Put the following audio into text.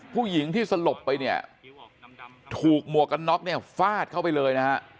ผู้หญิงที่สลบไปเนี่ยถูกหมวกกันน็อกเนี่ยฟาดเข้าไปเลยนะฮะ